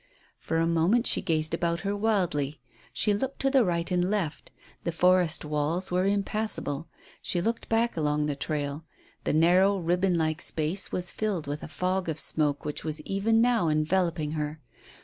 For a moment she gazed about her wildly. She looked to the right and left The forest walls were impassable. She looked back along the trail. The narrow ribbon like space was filled with a fog of smoke which was even now enveloping her.